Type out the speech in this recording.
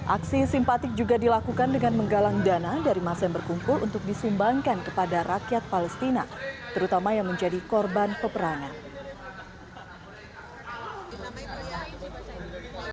aksi simpatik juga dilakukan dengan menggalang dana dari masa yang berkumpul untuk disumbangkan kepada rakyat palestina terutama yang menjadi korban peperangan